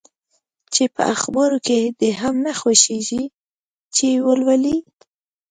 چي په اخبارو کي دي هم نه خوښیږي چي یې ولولې؟